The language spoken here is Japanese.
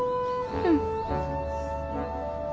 うん。